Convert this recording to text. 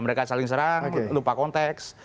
mereka saling serang lupa konteks